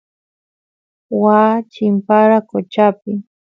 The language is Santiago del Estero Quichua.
waa chimpara qochapi